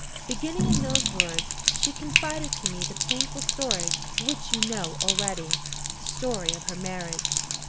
Beginning in those words, she confided to me the painful story which you know already the story of her marriage.